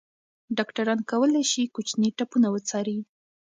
ډاکټران کولی شي کوچني ټپونه وڅاري.